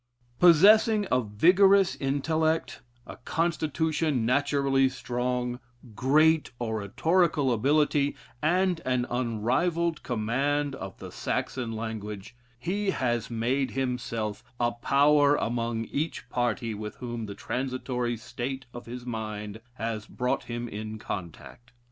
Possessing a vigorous intellect, a constitution naturally strong, great oratorical ability, and an unrivalled command oi the Saxon language, he has made himself a power among each party with whom the transitory state of his mind has brought him in contact.